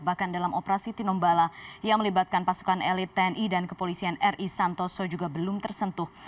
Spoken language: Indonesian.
bahkan dalam operasi tinombala yang melibatkan pasukan elit tni dan kepolisian ri santoso juga belum tersentuh